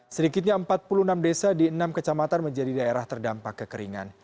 sedikitnya empat puluh enam desa di enam kecamatan menjadi daerah terdampak kekeringan